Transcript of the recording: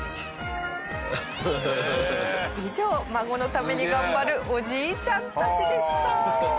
以上孫のために頑張るおじいちゃんたちでした。